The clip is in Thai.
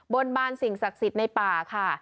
บนบานสิ่งศักดิ์สิทธิ์ในป่าค่ะ